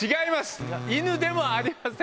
犬でもありません。